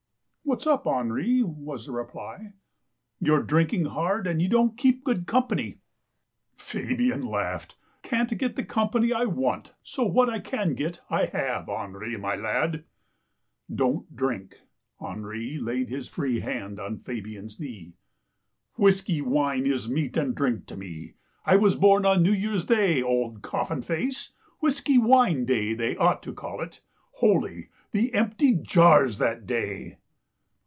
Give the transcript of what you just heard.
" What's up, Henri ?" was the reply. " You're drinking hard, and you don't keep good company." THE STORY OF THE LIME BURNER 177 Fabian laughed. " Can't get the company I want, so what I can get I have, Henri, my lad." " Don't drink." Henri laid his free hand on Fa bian's knee. " Whiskey wine is meat and drink to me — I was born on New Year's Day, old coffin face. Whiskey wine day, they ought to call it. Holy ! the empty jars that day."